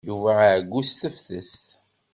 Yuba iɛeyyu s tefses.